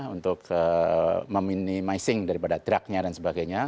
untuk meminimizing daripada trucknya dan sebagainya